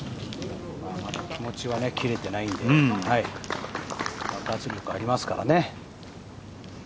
まだ気持ちは切れていないので爆発力がありますからね。